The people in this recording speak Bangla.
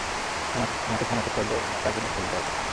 আমাকে থামাতে চাইলে, আমাকে আগে মেরে ফেলতে হবে।